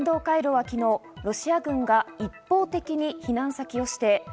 その人道回廊は昨日、ロシア軍が一方的に避難先を指定。